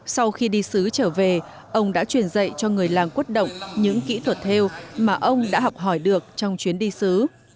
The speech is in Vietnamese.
sau khi đi xứ trở về ông đã truyền dạy cho người làng quốc động những kỹ thuật theo mà ông đã học hỏi được trong chuyến đi xứ